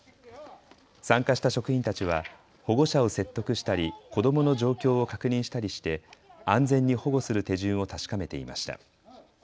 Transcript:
参加した職員たちは保護者を説得したり、子どもの状況を確認したりして、安全に保護する手順を確かめていました。